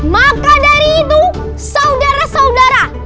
maka dari itu saudara saudara